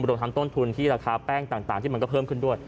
รวมทั้งต้นทุนที่ราคาแป้งต่างที่มันก็เพิ่มขึ้นด้วย